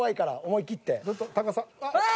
思い切って。